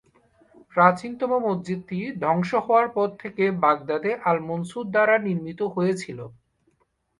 প্রাচীনতম মসজিদটি ধ্বংস হওয়ার পর থেকে বাগদাদে আল-মনসুর দ্বারা নির্মিত হয়েছিল।